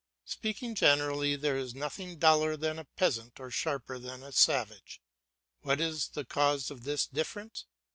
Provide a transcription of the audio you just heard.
Speaking generally, there is nothing duller than a peasant or sharper than a savage. What is the cause of this difference?